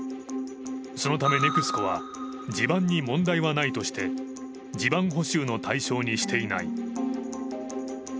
そのためＮＥＸＣＯは地盤に問題はないとして、地盤補修の対象にしていない。